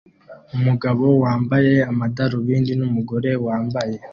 Umugabo wambaye amadarubindi numugore wambaye